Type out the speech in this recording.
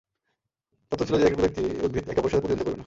তত্ব ছিল যে একই প্রজাতির উদ্ভিদ একে অপরের সাথে প্রতিদ্বন্দ্বিতা করবে না।